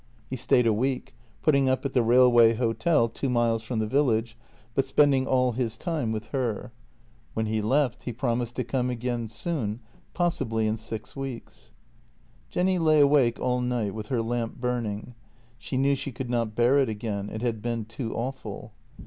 He stayed a week, putting up at the railway hotel two miles from the village, but spending all his time with her. When he left he promised to come again soon — possibly in six weeks. Jenny lay awake all night with her lamp burning. She knew she could not bear it again; it had been too awful.